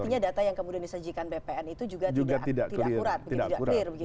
artinya data yang kemudian disajikan bpn itu juga tidak clear